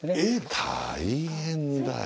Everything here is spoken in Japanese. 大変だよ。